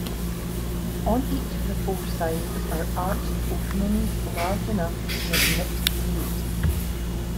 On each of the four sides are arched openings large enough to admit freight.